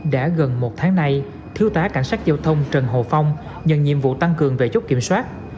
đã gần một tháng nay thiếu tá cảnh sát giao thông trần hồ phong nhận nhiệm vụ tăng cường về chốt kiểm soát